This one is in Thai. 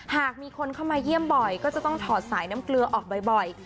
หากมีคนเข้ามาเยี่ยมบ่อยก็จะต้องถอดสายน้ำเกลือออกบ่อย